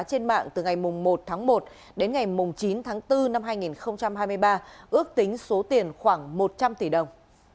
trên mạng từ ngày một tháng một đến ngày chín tháng bốn năm hai nghìn hai mươi ba ước tính số tiền khoảng một trăm linh tỷ đồng